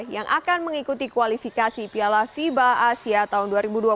yang akan mengikuti kualifikasi piala fiba asia tahun dua ribu dua puluh dua